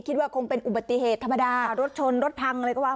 คิดว่าคงเป็นอุบัติเหตุธรรมดารถชนรถพังอะไรก็ว่า